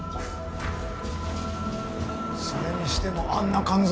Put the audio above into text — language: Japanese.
それにしてもあんな肝臓。